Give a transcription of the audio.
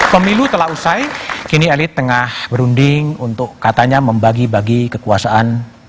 pemilu telah usai kini elit tengah berunding untuk katanya membagi bagi kekuasaan